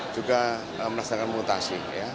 juga melaksanakan mutasi